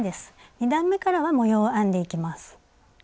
２段めからは模様を編んでいきます。